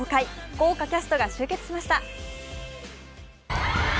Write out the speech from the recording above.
豪華キャストが集結しました。